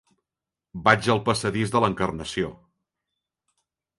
Vaig al passadís de l'Encarnació.